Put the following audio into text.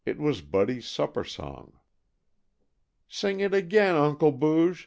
It was Buddy's supper song. "Sing it again, Uncle Booge!